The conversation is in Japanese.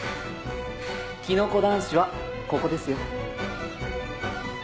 キノコ男子はここですよ。